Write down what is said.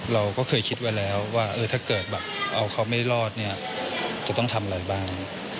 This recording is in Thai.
เราก็เคยคิดไว้แล้วว่าถ้าเกิดแบบเอาเขาไม่รอดเนี่ยจะต้องทำอะไรบ้าง